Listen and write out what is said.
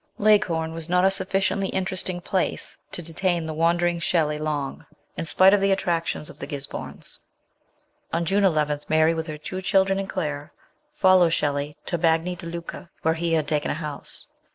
Leghorn was not a sufficiently interesting place to detain the wandering Shelieys long, in spite of the attractions of the Gisbornes. On June 11 Mary, with her two children and Claire, follows Shelley to Bagni di Lucca, where he had taken a house.